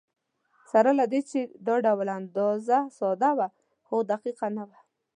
سره له دې چې دا ډول اندازه ساده وه، خو دقیقه نه وه.